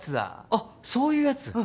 あっそういうやつ。